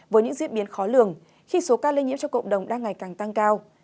với những diễn biến khó lường khi số ca lây nhiễm trong cộng đồng đang ngày càng tăng cao